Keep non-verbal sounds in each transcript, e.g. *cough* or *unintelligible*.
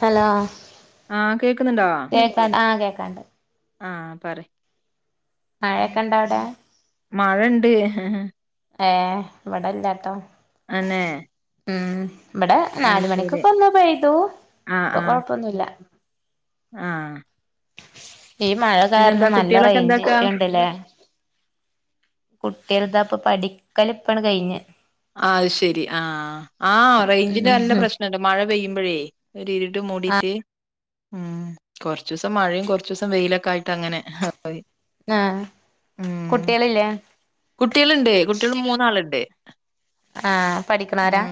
Hello ആഹ് കേക്കുന്നുണ്ടോ കേൾക്കാണ്ട് ആ കേൾക്കാണ്ട് ആഹ പറ മഴയൊക്കെ ഇണ്ട അവിടെ മഴണ്ട് ഏ ഇവിടെല്ലാട്ടോ അന്നേ ഉം ഇവിടെ നാല് മണിക്കൊക്കെ ഒന്ന് പെയ്തു ആഹ് ഇപ്പൊ ആഹ് കൊഴപ്പൊന്നുല്ല ആഹ് ഈ മഴ പിന്നെന്താ കാരണം നല്ല കുട്ടികളൊക്കെ റേഞ്ച് എന്താക്കാ ഇഷ്യൂ ഉണ്ട്ല്ലേ കുട്ടികൾതാപ്പൊ പഠിക്കൽ ഇപ്പാട് കഴിഞ്ഞ് അയ് ശെരി ആ ആഹ് റേഞ്ചിന്റെ ഉം നല്ല പ്രശ്നം മഴ പെയ്യുമ്പോഴേ ഒരു ഇരുട് ആഹ് മൂടീട്ട് ഉം കൊറച്ച് ദിവസം മഴയും കുറച്ച് ദിവസം വെയിലൊക്കെ ആയിട്ട് അങ്ങനെ ആഹ് ഉം കുട്ടികളില്ലേ കുട്ടികളുണ്ട് കുട്ടികൾ മൂന്നാളുണ്ട് ആഹ് പഠിക്കണോരാ ഉം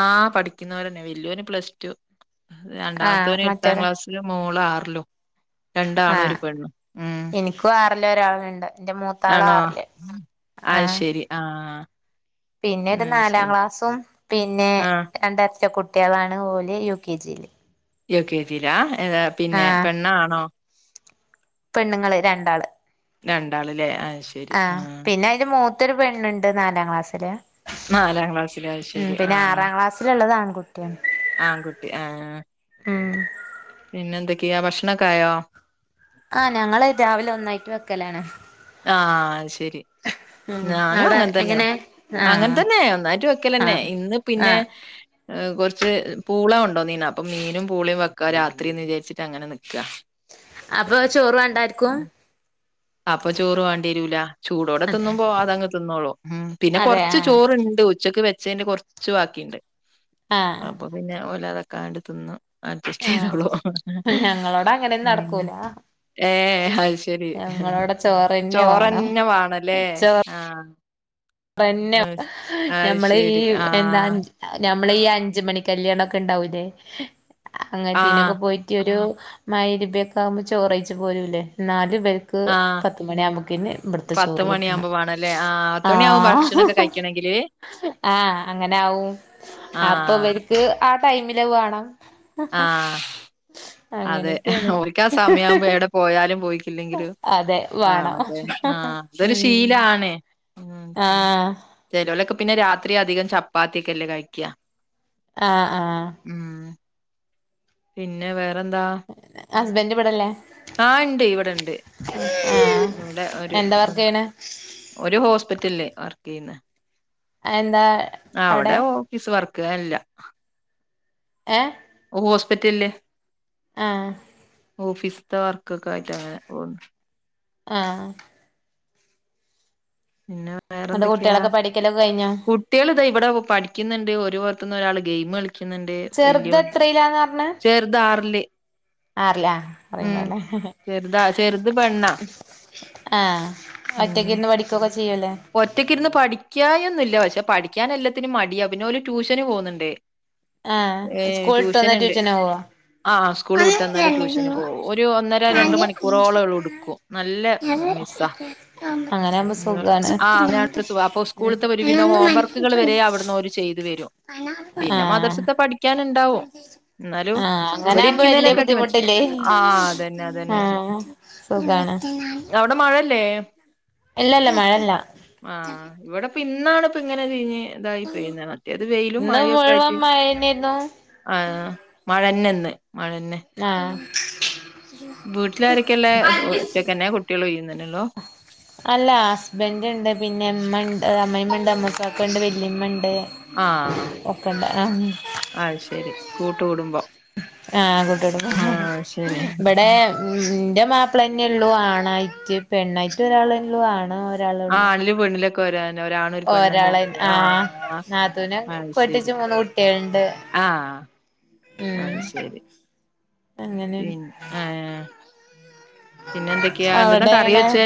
ആ പഠിക്കുന്നവരന്നെ വലിയവന് പ്ലസ് ടു ആഹ് രണ്ടാമത്തെവന് എട്ടാം മറ്റോര് ക്ലാസ് മോളോ ആറിലും രണ്ടാണും ഒരു ആഹ് പെണ്ണ് ഉം എനിക്കും ആറില് ഒരാളുണ്ട് എന്റെ മൂത്താള് ആണോ ആറില് അയ് ആഹ് ശരി ആ. പിന്നെ ഒരു അത് നാലാം ശരി. ക്ലാസ്സും പിന്നെ ആ. രണ്ടരട്ട കുട്ടികളാണ് ഓല് യു കെ ജിയില് യു കെ ജി ലാ ഏതാ പിന്നെ ആഹ് പെണ്ണോ ആണോ പെണ്ണുങ്ങള് രണ്ടാള് രണ്ടാളില്ലേ അത് ശെ ആഹ് പിന്നെ അതിന് മൂത്തൊരു പെണ്ണിണ്ട് നാലാം ക്ലാസ്സില്. നാലാം ക്ലാസ്സില് അത് ശെരി ആഹ് അഹ് പിന്നെള്ളത് ആൺകു ആൺകുട്ടി ആഹ് ഉം പിന്നെന്തൊക്കെയാ ഭക്ഷണോക്കെ ആയോ? ആഹ് ഞങ്ങള് രാവിലെ ഒന്നായിട്ട് വെക്കലാണ്. ആഹ് അത് ശെരി ഉം ഞാനും അവിടെ അങ്ങനെ തന്നെ. എങ്ങനെ അങ്ങനെ ആഹ് തന്നെ ഒന്നായിട്ട് വെക്കല് തന്നെ ആഹ് ഇന്ന് പിന്നെ ആഹ് എഹ് കുറച്ച് പൂള കൊണ്ട് വന്നീനു അപ്പൊ മീനും പൂളയും വെക്ക രാത്രീന്ന് വിചാരിച്ചിട്ട് അങ്ങനെ നിക്കാ അപ്പൊ ചോറ് വേണ്ടാ ആരിക്കും അപ്പൊ ചോറ് വേണ്ടി വരൂല ചൂടോടെ തിന്നുമ്പോ അതങ്ങ് തിന്നോളും ഉം പിന്നെ അതെ കൊറച്ച് ആഹ് ചോറിണ്ട് ഉച്ചക്ക് വെച്ചേന്റെ കൊറച്ച് ബാക്കീണ്ട്. ആഹ് അപ്പ പിന്നെ ഓലതൊക്കെയങ്ങട് തിന്ന് അഡ്ജെസ്റ്റ് ആഹ് ചെയ്തോളും ഞങ്ങളോടെ അങ്ങനെയൊന്നും ഉം നടക്കൂല ഏഹ് അത് ശെരി ഞങ്ങളോടെ ചോറന്നെ വേണം ചോറന്നെ വേണല്ലേ ആഹ് പെന്നെ അഹ് അത് ഞമ്മള് ഈ ശരി. എന്താ ആഹ്. ഞമ്മളീ അഞ്ചു മണി കല്ല്യാണൊക്കെ ഇണ്ടാവൂല്ലേ ആഹ്. അങ്ങനത്തേനൊക്കെ പോയി റ്റൊരു *unintelligible* ആകുമ്പോ ചോറ് കഴിച്ച് പോരുല്ലേ എന്നാലും ഇവർക്ക് പ ത്തുമണി ആവുമ്പോക്കന്നെ പത്ത് മണിയാവുമ്പോ വേണല്ലേ ആഹ് പത്ത് മണിയാകും ആഹ് ഭക്ഷണക്കെ കഴിക്കണെങ്കില് ആഹ് അങ്ങനെ ആവും ആഹ് *unintelligible* ആ ടൈമില് വേണം ആഹ്. അതെ അങ്ങനെയൊക്കെയാണ് ഓരിക്കാ സമയാവുമ്പോ എവിടെ പോയാലും പോയി ല്ലെങ്കിലും അതെ ആണ് വേണം അതെ ആഹ് അതൊരു ഉം ശീലാണ്. ഉം ആഹ് ചെലോലക്കെ പിന്നെ രാത്രി അധികം ചപ്പാത്തിയക്കെല്ലേ കഴിക്കാ അഹ് ആഹ് ഉം പിന്നെ വേറെന്താ? ഹസ്ബന്റ് ഇവിടെല്ലേ? ആഹ് എണ്ട് ഇവിടെണ്ട് പിന്നെ ആഹ് ഇവിടെ ഒരു എന്താ ഇം വർക്ക് ചെയ്യണെ ഒരു ഹോസ്പിറ്റലില് വർക്ക് ചെയ്യുന്നെ എന്താ ആഹ് അവിടെ ഓ ഫീസ് വർക്ക് അല്ല. ഏഹ് ഹോസ്പിറ്റലില് ആഹ് ഓഫീസ്ത്ത വർക്കക്കെ ആയിട്ട് അങ്ങനെ പോകുന്ന്. ആഹ് പിന്നെ എന്നിട്ട് വേറെന്തൊക്കെയാ? കുട്ടികളൊക്കെ പഠിക്കലൊക്കെ കഴിഞ്ഞോ കുട്ട്യാള് ദേ ഇവിടെ പഠിക്കുന്നുണ്ട് ഒരുപൊറത്ത്ന്ന് ഒരാള് ഗെയിമ് കളി ക്കുന്നെണ്ട് ചെറുത് വല്യവൻ എത്രയിലാന്ന് പറഞ്ഞെ ചെറുത് ആറില്. ആറിലാ ഉം പറയുമ്പോലെ ചെറുതാ ചെറുത് പെണ്ണാ ആഹ് ഒറ്റയ്ക്ക് ഇരുന്ന് പഠിക്കുവാക്കെ ചെയ്യുവല്ലോ ഒറ്റക്ക് ഇരുന്ന് പഠിക്കായിയ്ക ഒന്നും ഇല്ല പക്ഷെ പഠിക്കാൻ എല്ലാത്തിനും മടിയ പിന്നെ ഓല് ട്യൂഷന് പോകുന്നെണ്ട്. ആഹ് സ്കൂൾ വിട്ട് വന്ന ട്യൂഷന് പോകോ ആഹ് സ്കൂൾ വിട്ട് വന്നാല് ട്യൂഷന് പോവും. ഒരു ഒന്നര രണ്ട് നാല് അഞ്ച് മണിക്കൂറോളം അവളെടുക്കും. നല്ല ആറ് ഏഴ് മിസ്സാ എട്ട് *unintelligible* ഒമ്പത് ആഹ് *unintelligible* പത്ത് അപ്പൊ സ്കൂളിത്ത ഒരുവിധം പതിനൊന്ന് ഹോം പന്ത്രണ്ട് വർക്കുകൾ പതിമൂന്ന് പതിനാല് വരെ പതിനഞ്ച് അവിടുന്ന് ഓര് ചെയ്ത് വ രും പിന്നെ ആഹ് മദ്രസത്തെ പഠിക്കാനിണ്ടാവും. എന്നാലും, ആഹ് ഇവിടെ അങ്ങനാവുമ്പോ വല്യ ഇരിക്കുന്നെന്നേക്കാട്ടിം മെച്ച ബുദ്ധിമുട്ടില്ലേ ആ അതന്നെ അതന്നെ ആഹ് സുഖാണ് അവിടെ മഴല്ലേ ഇല്ലല്ല മഴല്ല ആഹ് ഇവിടെപ്പ ന്നാണ് ഇപ്പ ഇങ്ങനെ ഒര് തായിപ്പോയ് മറ്റേത് വെയിലും ഇന്ന് മഴയൊക്കെ മുഴുവൻ ആയിട്ട് മഴന്നേരുന്നു ആ മഴന്നെ ഇന്ന് മഴന്നെ ആഹ് വീട്ടിലാരെക്കെള്ളെ ഒറ്റക്കന്നെ കുട്ടിയൾ ഇയ്യും തന്നെ ഒള്ളു. അല്ല ഹസ്ബൻറ്ണ്ട് പിന്നെ ഇമ്മ ഇണ്ട് അമ്മയമ്മ ഇണ്ട് അമ്മോസാ ക്ക ഉണ്ട് വല്യമ്മ ഇണ്ട് ആഹ് ക്കണ്ട ആഹ് അയ്ശെരി കൂട്ട് കുടുംബം. ആഹ് കുട്ടി *unintelligible* ആഹ് ശരി ഇബടെ ഇന്റെ മാപ്പിളന്നെ ഉള്ളൂ ആണായിട്ട് പെണ്ണായിട്ട് ഒരാൾ ഒള്ളു ആണ ആഹ് ആണിലും പെണ്ണിലെക്കെ ഇക്ക് ഒരാണ്. ഒരാണും ഒരു പെണ്ണും ഒരാളെ തന്നെ *unintelligible* ആഹ് നാത്തൂനെ ആഹ് *unintelligible* ശരി. കെട്ടിച്ച് മൂന്ന് കുട്ടികളുണ്ട് ആഹ് ഉം അഹ് ശരി. പിന്നെ *unintelligible* ഏഹ് പിന്നെ എന്തൊക്കെയാ എന്ത്ന്നാ അവിടെ കറി എങ്ങനെ വെച്ചേ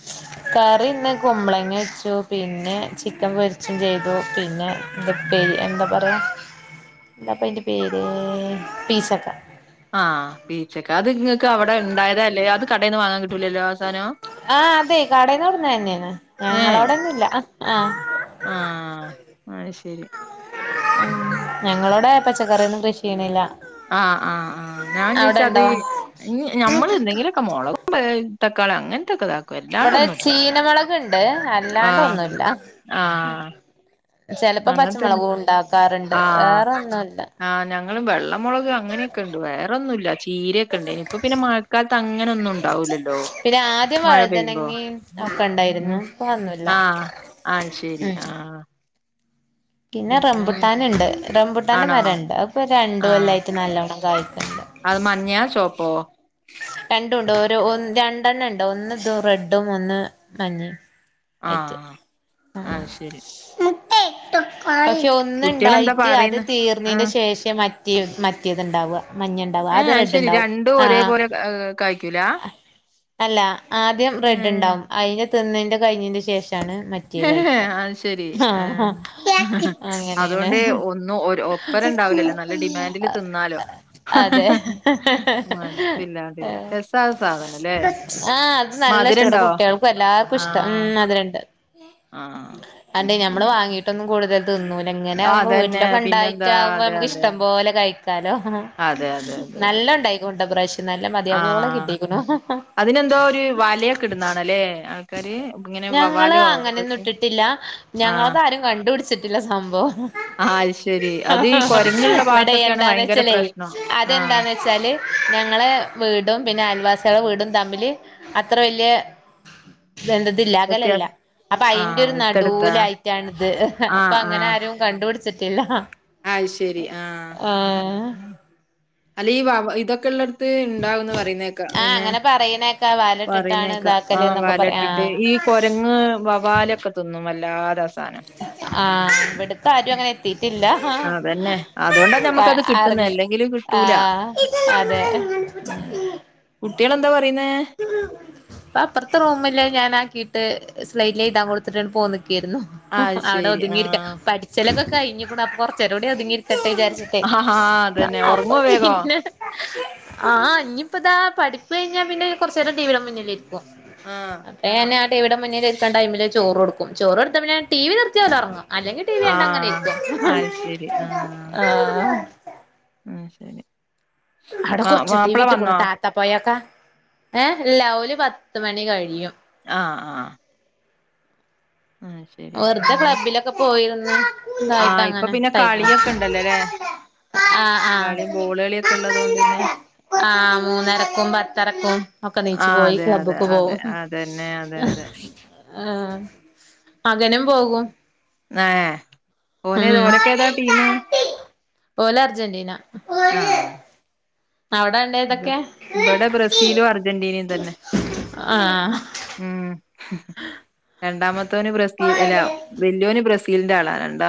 *inaudible* കറി ഇന്ന് കുമ്പളങ്ങ വെച്ചു പിന്നെ ചിക്കൻ പൊരിച്ചും ചെയ്തു പിന്നെ ഇതൊക്കെയ് എന്താ പറയ എന്താപ്പയ് ന്റെ പേര്... പീച്ചക്ക ആ.. പീച്ചക്ക അത് ഇങ്ങക്ക് അവിടെ ഉണ്ടായതാല്ലേ. അത് കടയിൽ നിന്ന് വാങ്ങാൻ കിട്ടൂലല്ലോ ആ സാധനം. അഹ്, അതെ കടേന്ന് ടുന്നേനെയേണ്. ഏഹ് ഞങ്ങളോടൊന്നുംല്ല ആഹ്. ആഹ്, അത് ശരി. ഞങ്ങളോടെ പച്ചക്കറി ഒന്നും കൃഷിയിണില്ല. ആഹ് ആഹ് ആഹ് ഞാചോയ്ച്ച അത് ൻ ഞമ്മള് എന്തെങ്കിലൊ ആ മുളകും *unintelligible* തക്കാളി അങ്ങനെതൊക്ക *unintelligible* ഇവിടെ ചീനമുളകുണ്ട്അല്ലാണ്ട് ആഹ് ഒന്നുല്ല. ആഹ് ചെലപ്പോ അങ്ങൻത്തന്നെ പച്ചമുളകും ഉണ്ടാക്കാറുണ്ട്. ആഹ് വേറെ ഒന്നും ഇല്ല. ആഹ് ഞങ്ങളും വെള്ളം മുളക് അങ്ങനെയൊക്കെണ്ട് വേറെന്നും ഇല്ല ചീരയൊക്കെ ഉണ്ട് ഇപ്പൊ പിന്നെ മഴക്കാലത്ത് അങ്ങനെ ഒന്നും ഉണ്ടാവൂല്ലല്ലോ. പിന്നെ ആദ്യം വഴുതനങ്ങേം ഒക്കെ ണ്ടായിരുന്നു. ഉം ഇപ്പൊ ഒന്നുല്ല ആഹ് ആത് ശെരി ആഹ് പിന്നെ റംബുട്ടാന്ണ്ട് റംബുട്ടാന്റെ ആണോ മരെണ്ട് അത്പ്പൊ രണ്ട് ആഹ് കൊല്ലായിട്ട് നല്ലോണം കായ്ക്ക്ണ്ട് അത് മഞ്ഞാ ചോപ്പോ രണ്ടും ഉണ്ടോ ഒരു ഒന്ന് രണ്ടെണ്ണ ഉണ്ട് ഒന്ന് ഇതും റെഡും ഒന്ന് മഞ്ഞിമ്. ആഹ് അത് ശരി. *unintelligible* പക്ഷെ കുട്ടികളെന്താ ഒന്നുണ്ടായിട്ട് അത് പറയുന്നെ തീർന്നതിന് ആഹ് ശേഷം മ *unintelligible* *unintelligible* മറ്റേത് ണ്ടാവാ മഞ്ഞ *unintelligible* *unintelligible* അത് ഏഹ് റെഡ് ശരി ഉണ്ടാവും രണ്ടും ആ ഒരേപോലെ ഏ, കായ്ക്കൂല അല്ല ആദ്യം റെഡ് ഏഹ് ഉണ്ടാവും *unintelligible* തിന്നതിന്റെ കഴിഞ്ഞതിന്റെ ശേഷമാണ് മറ്റ മറ്റെ കഴിക്ക അത് ശരി. ആഹ്. *unintelligible* *inaudible* അങ്ങനെയാണ് അതുകൊണ്ട് *inaudible* ഒന്നും ഒരു ഒപ്പരം ഉണ്ടാവില്ലല്ലോ. നല്ല *unintelligible* ഡിമാൻഡില് തിന്നാലോ. അതെ മടുപ്പില്ലാതെ. ആഹ് രസാ സാധനം ല്ലേ? ആഹ് അത് നല്ല ഇഷ്ടാ വടെ മധുരണ്ടോ? കുട്ട്യേൾക്കും എല്ലാർക്കും ഇഷ്ടാ ആഹ്. ഉം ആഹ്. നമ്മള് വാങ്ങീട്ടന്നും കൂടുതല് തിന്നൂല്ല ആഹ് എങ്ങനെയകുമ്പോ അതന്നെ. വീട്ടിലൊക്കെ പിന്നെന്താ ഉണ്ടായിട്ടാാവുമ്പോ അതെ നമുക്ക് ഇഷ്ടം അതെന്നെ. പോലെ കഴിക്കാ താലോ അതെ അതെ അതെ അതെ. നല്ലോണ്ടായ്ക്കുണുട്ടോ ഇപ്രാശ്യം നല്ല മതിയാവോളം ആഹ്. കിട്ടിക്ക്ണു അതിനെന്തോ ഒര് വലെയൊക്കെ ഇട്ന്നാണല്ലേ ആൾക്കാര് ഇങ്ങെനെ വവ്വാലോ ഇതൊക്കെ? ഒന്നുംട്ടിട്ടില്ല ആഹ്. ഞങ്ങൾതാരും കണ്ടുപിടിച്ചിട്ടില്ല സംഭവം ആഹ് അത് ശരി. അത് ഈ കൊരങ്ങുള്ള ഇവിടെ ഭാഗത്തൊക്കെയാണ് എന്താന്ന് ഭയങ്കര വെച്ചല്ലേ പ്രശ്നം. ആഹ്. അതെന്താന്ന് വച്ച ച്ചാല് ഞങ്ങളെ വീടും പിന്നെ അയൽവാസ്യേളെ വീടും തമ്മില് അത്ര വലിയ തെന്ത്തില്ല വ്യത്യാസം അകലല്ല അപ്പൊ ആഹ് അയ്ന്റെരു അടുത്തടുത്താ നടൂലായ്ട്ടാണ്ത് ആഹ് അപ്പൊ അങ്ങെനെ ആരും രും കണ്ടുപിടിച്ചിട്ടില്ലാ അയ് ശരി ആഹ് അല്ല ഈ വവ്വ ഇതൊക്കെ ഉള്ള ഉണ്ടാവന്ന് പറയുന്നേക്ക ആഹ് പിന്നെ അങ്ങനെ പറയണേക്കാ വാലട്ടിട്ടാണ് പറയുന്നേക്ക ഇതാക്കല് ആഹ് എന്നൊക്കെ വാല പറയാ ഇട്ടിട്ട് ഈ ആഹ് കുരങ്ങ് വവാലൊക്കെ തിന്നും അല്ലാതസനം ആ്ഹ് ഇവിടത്തെ ആരും അങ്ങനെ എത്തിട്ടില്ല അതന്നെ അതുകൊണ്ടാ ആഹ് ഞമ്മക്കത് കിട്ടുന്നെ അറിഞ്ഞു അല്ലെങ്കില് കിട്ടൂല ആഹ് അതെ *unintelligible* കുട്ടിളേന്താ പറയുന്ന അപ്പ അപ്പറത്തെറമില് ഞാൻ ആക്കിട്ട് സ്ലേറ്റിലെഴുതാൻ കൊടുത്തിട്ട പോനേക്കായിരുന്നു അത് അവിടെ ശരി ഒതുങ്ങിയിരിക്ക ആഹ് പഠിച്ചലൊക്കെ കഴിഞ്ഞികുണു അപ്പൊ കൊറച്ചരോടി ഒതുങ്ങിയിരിക്കട്ടെ വിചാരിച്ചു ആഹ് അതന്നെ *unintelligible* അപ്പൊ ഒറങ്ങോ വേഗം പിന്നെ ആഹ് ഇനിയിപ്പതാ പഠിപ്പ് കഴിഞ്ഞാ പിന്നെ കുറച്ചു നേരം ടിവിയടുടെ മുന്നിൽ ഇരിക്കും ആഹ് അത്രേ തന്നെ ആ ടിവിയടടെ മുന്നിൽ ഇരിക്കാൻ ടൈമില് ചോറ് കൊടുക്കും ചോറോട്തപ്പിന്നെ ടി വി നിർത്തിയാൽ ഉറങ്ങും അല്ലെങ്കിൽ ടി വി കണ്ട് അങ്ങനെ ആഹ് ഇരിക്കും അത് ശരി ആഹ് അയ്ശരി മാ മാപ്പിളെ വന്നോ അത്തപ്പോയൊക്കെ ഏഹ് എല്ലാവല് പത്ത മണി കഴിയും ആഹ് ആഹ് ആഹ് ശരി വെറുതെ പിന്നെ ക്ലബ്ബിലൊക്കെ പോയിന്ന് ആഹ് ഇപ്പൊ പിന്നെ കളിയൊക്കെ ഇണ്ടല്ലോല്ലേ ആഹ് ആഹ് കള ബോളുകളിയ ഒക്കെ ഉള്ളത് കൊണ്ട് പിന്നെ ആഹ് മൂന്നരക്കും പത്തരക്കും ഒക്കെ നീച്ചു ആഹ് പോയി അതെ അതെ ക്ലബ്ബക്ക് അതെ പോവും അതന്നെ അതെ അതെ ആഹ് മകനും പോകും ഏഹ് ഓന ഓലെക്കെ ഏതാ ടീം. ഓല അർജന്റീന ആഹ് അവിടെൻ ഇ ഇവിടെ ബ്രസീലും അർജന്റീനയും തന്നെ ആഹ് ഉം രണ്ടാമത്തവന് ബ്രസീൽ ല്ല വല്യുന് ബ്രസീലിന്റെ ആളാ രണ്ടാ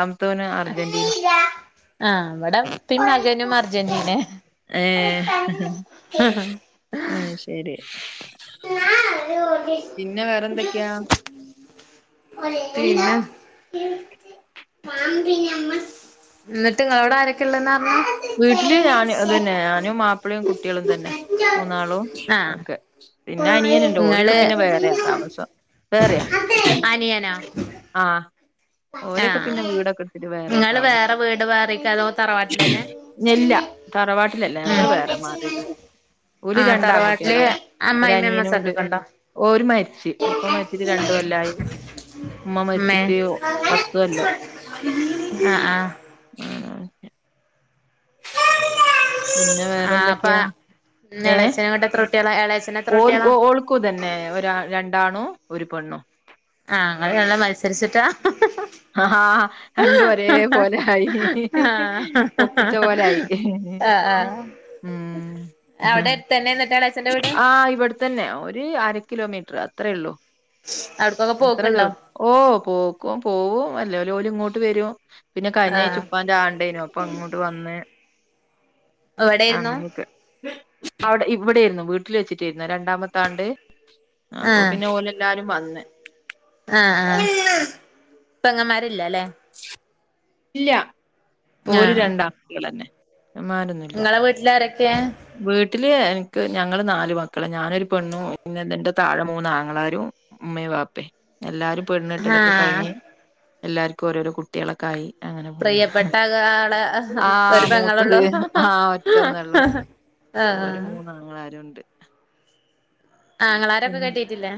ആഹ് അവിടെ ഇപ്പേം മകനും അർജന്റീന *unintelligible* ആഹ് ശരി പിന്നെ വേറെന്തൊക്കെയാ *unintelligible* പിന്നെഹ് ന്നെട്ട് ഇങ്ങളോടെ ആരൊക്കെ ഉള്ളന്നാ അറ്ഞ്ഞെ വീട്ടില് ഞാനു അതെന്നെ ഞാനും മാപ്പ്ളെം കുട്ട്യളും തെന്നെ മൂന്നാളും ആഹ് ആക്കെ പിന്ന അനിയനുണ്ട് ഓരൊക്കെ നിങ്ങള് പിന്നെ വേറെയാ താമസം വേറെയാ *inaudible* ആഹ് ഓരൊക്കെ ആഹ് പിന്നെ വീടൊക്കെ എട്ത്തിട്ട് വേറെ നിങ്ങള് വേറെ താമസം വീട് വേറെക്ക അതോ തറവാട്ടിലന്നെ ഞെല്ല തറവാട്ടിലല്ല ഞങ്ങൾ വേറെ മാറിയതാ ഓര് ആഹ് തറവാട്ടില് രണ്ടാൺകുട്ട്യാളാ അമ്മായിമ്മ ഒരനിയനൂണ്ട് അമ്മോസക്കൊക്കെ ഉണ്ടോ ഓര്‌ മരിച്ച് ഉപ്പ മരിച്ചിട്ട് രണ്ട്കൊല്ലായി ഉമ്മ മരിച്ചിട്ട് ഓ പത്തു കൊല്ലോ ആ ആഹ് ഉം. പിന്നെ ആഹ് പ്പ വേറെന്തൊക്കെയാ എളച്ചനങ്ങോട്ട് എത്ര കുട്ടിയോളാ എളേച് ഓര്‌ ഓ ഓൾക്കുതന്നേ ഒരാ രണ്ടാണും ഒരു പെണ്ണും ആഹ് ഇങ്ങൾ നല്ല മത്സരിച്ചിട്ടാ ഹ് ഹ് ആഹാ ഹാ രണ്ടും ഒരേ പോലെ ആയിഹ് ആഹ് ഒപ്പിച്ച പോലെ ആയി ആഹ് ആഹ് *unintelligible* അവിടെ എര്ത്തെന്നെ ന്നെട്ട്എളച്ചന്റെ വീട് തന്നെ ഒര് അര കിലോമീറ്റർ അത്രേയുള്ളൂ അവിടക്കൊക്കെ അത്ര പോക്കുണ്ടോ ദൂരം ഓ പോക്കും പോവും അല്ലേഓല് ഇങ്ങോട്ട് വരും പിന്നെ കഴിഞ്ഞാഴ്ച ആഹ് ഉപ്പാന്റാണ്ടേനു അപ്പൊ അങ്ങോട്ട് വന്ന് ഇവിടെയായിരുന്നു അങ്ങനെയൊക്കെ അവടെ ഇവിട്യായിരുന്നു വീട്ടിൽ വെച്ചിട്ട്ടായിരുന്നോ രണ്ടാമത്താണ്ട് അപ്പൊ പിന്നെ ഓല് എല്ലാരും വന്ന് ആ ആഹ് പെങ്ങന്മാരില്ലലേ *inaudible* ല്ല ഓര് ആഹ് രണ്ടാങ്കുട്ട്യളെന്നെ ങ്ങമ്മാരൊന്നു ഇങ്ങളെ വീട്ടിലാരൊക്കേ വീട്ടില് എനക്ക് ഞങ്ങള് നാല് മക്കള് ഞാനൊരു പെണ്ണും പിന്നെ ഇന്റെ താഴെ മൂന്നാങ്ങളാരും ഉമ്മേ വാപ്പേ എല്ലാരും പെണ്ണെട്ടലൊക്കെ ആഹ് കഴിഞ്ഞ് എല്ലാര്ക്കും ഓരോരോ കുട്ട്യാളൊക്കെ ആയി അങ്ങനെ പോവ്ന്ന് പ്രിയപ്പെട്ട ആളെ ആ ഒരു മൂത്തത് പെങ്ങളൊള്ളൂ ആഹ് ഒറ്റൊന്നൊള്ളൂ ആഹ് ഓര് ആഹ് മൂന്നാങ്ങളാരും ഉണ്ട് ആങ്ങളാരൊക്കെ ഉം കെട്ടീട്ടില്ലേ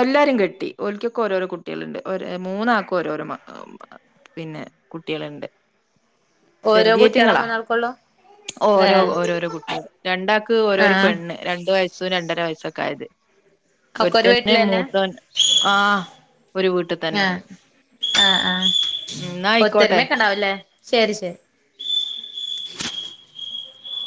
എല്ലാരും കെട്ടി ഓല്ക്കൊക്കെ ഓരോരോ കുട്ട്യാള്ണ്ട് ഒരേ മൂന്നാൾക്കും ഓരോരോ *unintelligible* ഒ പിന്നെ കുട്ടികള്ണ്ട് ഓരോ കുട്ടികളെ ചെറുതിയെറ്റ്ങ്ങളാ മൂന്നാൾക്കൊള്ളൂ അഓരോ ഏഹ് ഓരോരൊ കുട്ടി രണ്ടാക്ക് ഓരോരൊ ആഹ് പെണ്ണ് രണ്ടു വയസ്സും രണ്ടര വയസ്സൊക്കെ ആയത് ഒക്കെ ഒരു ഒര്ത്തന്ന് വീട്ടിലന്നെ മൂത്തോൻ ആ ഒര് വീട്ടിതന്നെ ആ ആഹ് ആയിക്കോട്ടെ ഒത്തൊരുമൊക്കെ ഉണ്ടാവല്ലേ ശെരി ശെരി